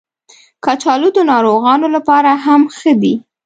کچالو د ناروغانو لپاره هم ښه دي